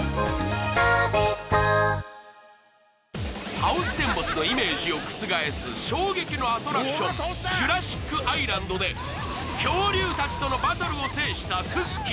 ハウステンボスのイメージを覆す衝撃のアトラクション、ジュラシックアイランドで恐竜たちとのバトルを制したくっきー！